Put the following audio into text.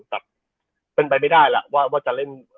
แต่เป็นไปไม่ได้ล่ะว่าจะเล่น